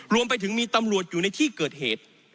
รวมไปถึงมีตำรวจอยู่ในที่เกิดเหตุ